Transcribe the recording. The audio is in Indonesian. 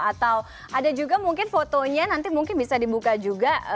atau ada juga mungkin fotonya nanti mungkin bisa dibuka juga